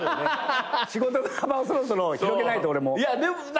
仕事の幅をそろそろ広げないと俺も。